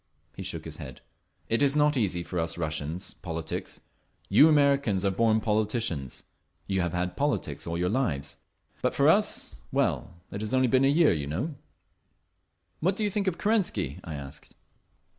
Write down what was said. He shook his head. "It is not easy for us Russians, politics. You Americans are born politicians; you have had politics all your lives. But for us—well, it has only been a year, you know!" "What do you think of Kerensky?" I asked.